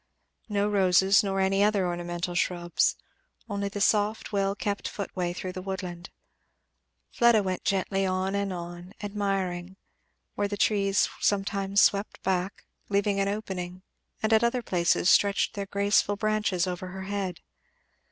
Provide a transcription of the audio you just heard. No roses, nor any other ornamental shrubs; only the soft, well kept footway through the woodland. Fleda went gently on and on, admiring, where the trees sometimes swept back, leaving an opening, and at other places stretched their graceful branches over her head.